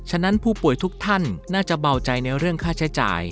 นั้นผู้ป่วยทุกท่านน่าจะเบาใจในเรื่องค่าใช้จ่าย